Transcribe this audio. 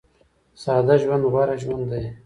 ساده ژوند غوره ژوند دی